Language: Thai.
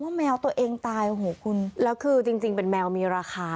แมวตัวเองตายโอ้โหคุณแล้วคือจริงจริงเป็นแมวมีราคา